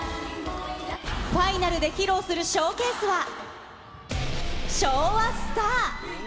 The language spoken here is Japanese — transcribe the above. ファイナルで披露するショーケースは、昭和スタア。